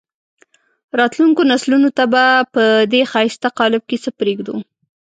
راتلونکو نسلونو ته به په دې ښایسته قالب کې څه پرېږدو.